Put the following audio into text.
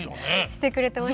してくれてました。